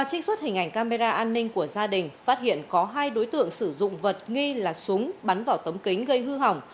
trích xuất hình ảnh camera an ninh của gia đình phát hiện có hai đối tượng sử dụng vật nghi là súng bắn vào tấm kính gây hư hỏng